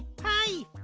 はい。